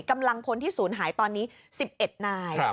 กำลังคนที่สูญหายตอนนี้๑๑นาย